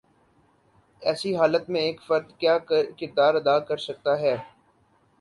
ایسی حالت میں ایک فرد کیا کردار ادا کر سکتا ہے؟